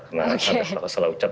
karena ada salah ucap